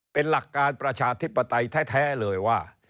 เป็นหลักการประชาธิปไตยแท้เลยว่า